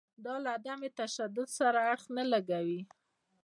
دا له عدم تشدد سره اړخ نه لګوي.